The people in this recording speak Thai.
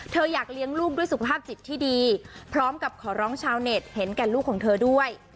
อยากเลี้ยงลูกด้วยสุขภาพจิตที่ดีพร้อมกับขอร้องชาวเน็ตเห็นแก่ลูกของเธอด้วย